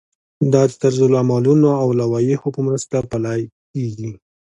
دا د طرزالعملونو او لوایحو په مرسته پلی کیږي.